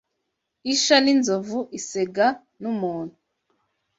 Isha n'inzovu isega n,umuntu